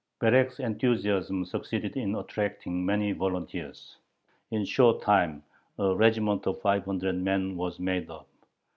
Berek's enthusiasm succeeded in attracting many volunteers. In a short time a regiment of five hundred men was made up.